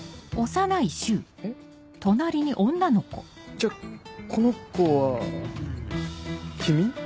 じゃあこの子は君？